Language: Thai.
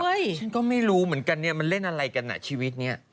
ฉันก็ไม่รู้เหมือนกันเนี่ยมันเล่นอะไรกันอ่ะชีวิตนี้